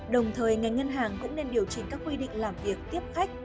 đồng thời ngành ngân hàng cũng nên điều chỉnh các quy định làm việc tiếp khách